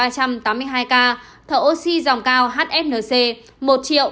một ba trăm tám mươi hai ca thở oxy dòng cao hfnc một một trăm bảy mươi tám ca